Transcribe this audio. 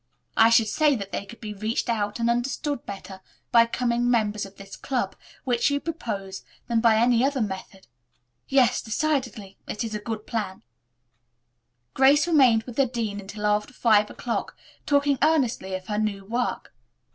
I should say that they could be reached and understood better by becoming members of this club, which you propose, than by any other method. Yes, decidedly, it is a good plan." Grace remained with the dean until after five o'clock talking earnestly of her new work.